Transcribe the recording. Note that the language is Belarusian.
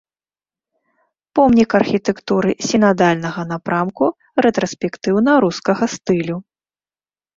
Помнік архітэктуры сінадальнага напрамку рэтраспектыўна-рускага стылю.